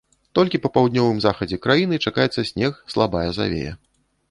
Толькі па паўднёвым захадзе краіны чакаецца снег, слабая завея.